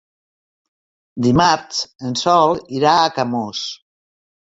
Dimarts en Sol irà a Camós.